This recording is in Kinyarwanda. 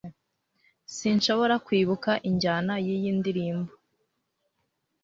Sinshobora kwibuka injyana yiyi ndirimbo